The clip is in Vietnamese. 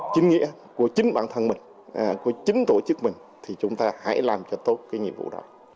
chính nghĩa của chính bản thân mình của chính tổ chức mình thì chúng ta hãy làm cho tốt cái nhiệm vụ đó